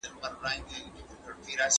غوښې خوراک د ځمکې د تودوخې سبب کېږي.